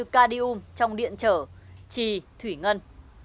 cardium trong điện trở trì thủy ngân